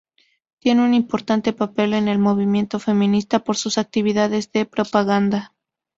Tiene un importante papel en el movimiento feminista por sus actividades de propaganda.